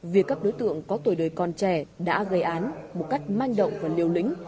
vì các đối tượng có tuổi đời con trẻ đã gây án một cách manh động và liều lĩnh